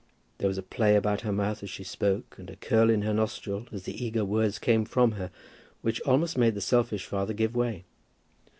There was a play about her mouth as she spoke, and a curl in her nostril as the eager words came from her, which almost made the selfish father give way.